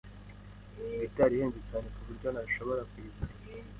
Gitari ihenze cyane kuburyo ntashobora kuyigura.